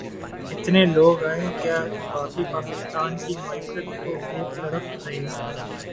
اتنے لوگ آئیں کہ باقی پاکستان کی معیشت تو ایک طرف رہی